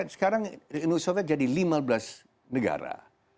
sekarang uni soviet jadi lima belas negara